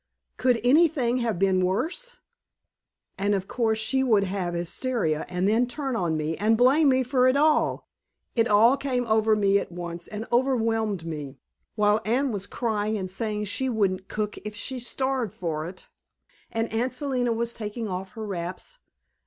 Could anything have been worse? And of course she would have hysteria and then turn on me and blame me for it all. It all came over me at once and overwhelmed me, while Anne was crying and saying she wouldn't cook if she starved for it, and Aunt Selina was taking off her wraps.